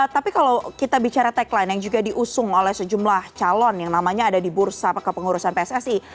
tapi kalau kita bicara tagline yang juga diusung oleh sejumlah calon yang namanya ada di bursa kepengurusan pssi